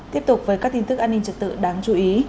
tiếp tục với các tin tức an ninh trật tự đáng chú ý